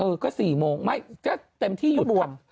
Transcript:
เออก็๔โมงไม่ก็เต็มที่หยุดพัก